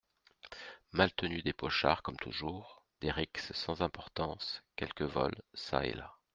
Maltenu Des pochards, comme toujours… des rixes sans importance… quelques vols… çà et là…